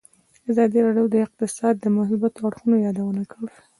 ازادي راډیو د اقتصاد د مثبتو اړخونو یادونه کړې.